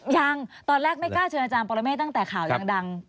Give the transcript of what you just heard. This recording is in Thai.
ยังตอนแรกไม่กล้าเชิญอาจารย์ปรเมฆตั้งแต่ข่าวยังดัง